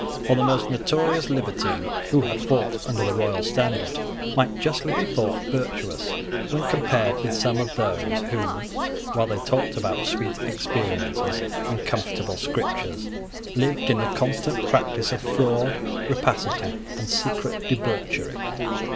For the most notorious libertine who had fought under the royal standard might justly be thought virtuous when compared with some of those who, while they talked about sweet experiences and comfortable scriptures, lived in the constant practice of fraud, rapacity, and secret debauchery.